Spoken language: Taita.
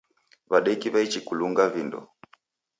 W'adeki w'aichi kulunga vindo.